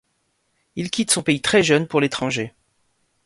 Il quitte son pays très jeune pour l'étranger.